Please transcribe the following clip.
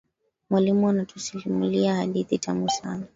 Mwalimu anatusimulia hadithi tamu sana.